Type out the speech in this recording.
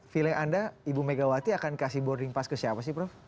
feeling anda ibu megawati akan kasih boarding pass ke siapa sih prof